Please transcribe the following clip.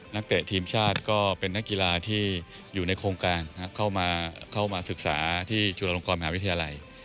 เตะทีมชาติก็เป็นนักกีฬาที่อยู่ในโครงการเข้ามาศึกษาที่จุฬลงกรมหาวิทยาลัย